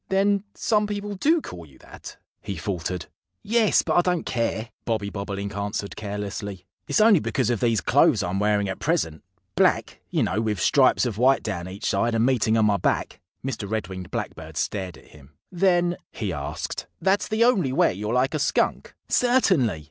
"Then some people do call you that!" he faltered. "Yes! But I don't care," Bobby Bobolink answered carelessly. "It's only because of these clothes I'm wearing at present black, you know, with stripes of white down each side and meeting on my back." Mr. Red winged Blackbird stared at him. "Then," he asked, "that's the only way you're like a Skunk?" "Certainly!"